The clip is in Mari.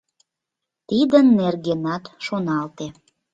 Тидын нергенат шоналте.